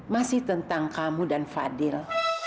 masih tentang kamu dan fadil